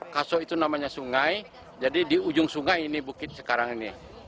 kasok itu namanya sungai jadi di ujung sungai ini bukit sekarang ini